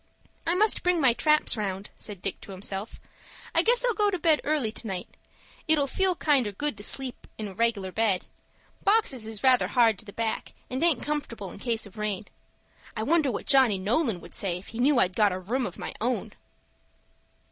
"I must bring my traps round," said Dick to himself. "I guess I'll go to bed early to night. It'll feel kinder good to sleep in a reg'lar bed. Boxes is rather hard to the back, and aint comfortable in case of rain. I wonder what Johnny Nolan would say if he knew I'd got a room of my own."